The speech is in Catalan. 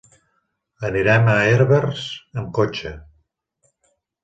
Anirem a Herbers amb cotxe.